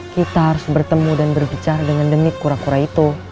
kita harus bertemu dan berbicara dengan demik kura kura itu